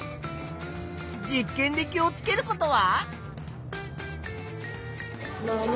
実験で気をつけることは？